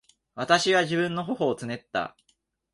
私は自分の頬をつねった。